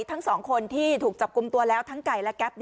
ทั้งสองคนที่ถูกจับกลุ่มตัวแล้วทั้งไก่และแป๊บ